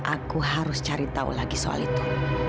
aku harus cari tahu lagi soal itu